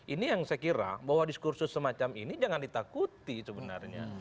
ini yang saya kira bahwa diskursus semacam ini jangan ditakuti sebenarnya